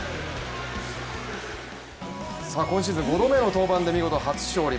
今シーズン５度目の登板で初勝利。